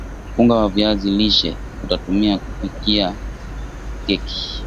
unga wa viazi lishe utatumiak kupikia keki